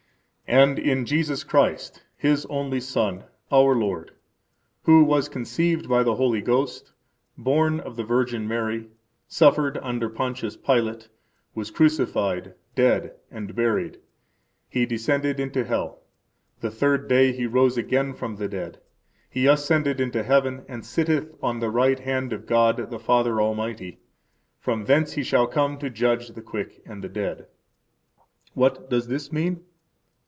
And in Jesus Christ, His only Son, our Lord; who was conceived by the Holy Ghost, born of the Virgin Mary; suffered under Pontius Pilate, was crucified, dead, and buried; He descended into hell; the third day He rose again from the dead; He ascended into heaven, and sitteth on the right hand of God the Father Almighty; from thence He shall come to judge the quick and the dead. What does this mean?